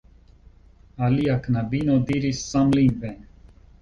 Alia knabino diris samlingve: